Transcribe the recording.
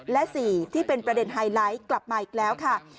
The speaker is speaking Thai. และ๔ที่เป็นประเด็นไฮไลท์กลับมาอีกแล้วค่ะ